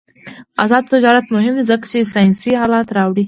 آزاد تجارت مهم دی ځکه چې ساینسي آلات راوړي.